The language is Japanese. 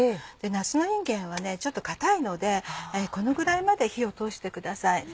夏のいんげんはちょっと硬いのでこのぐらいまで火を通してください。